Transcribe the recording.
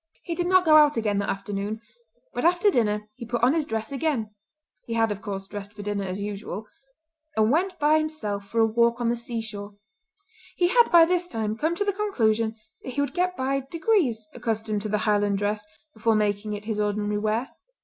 He did not go out again that afternoon; but after dinner he put on his dress again—he had, of course dressed for dinner as usual—and went by himself for a walk on the sea shore. He had by this time come to the conclusion that he would get by degrees accustomed to the Highland dress before making it his ordinary wear.